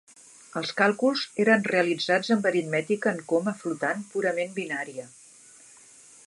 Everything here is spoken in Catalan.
Els càlculs eren realitzats amb aritmètica en coma flotant purament binària.